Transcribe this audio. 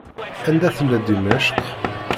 Anda tella Dimecq?